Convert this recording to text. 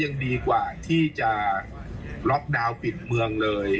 ยังดีกว่าที่จะล็อกดาวน์ปิดเมืองเลย